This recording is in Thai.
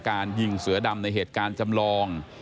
การยิงเสือดำในเหตุการณ์จำลอง